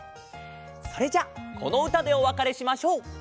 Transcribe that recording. それじゃあこのうたでおわかれしましょう！